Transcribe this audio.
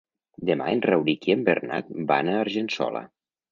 Demà en Rauric i en Bernat van a Argençola.